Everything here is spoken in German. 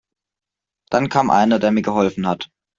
Dann kam einer, der mir geholfen hat.